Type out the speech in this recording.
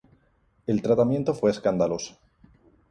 El tratamiento fue escandaloso.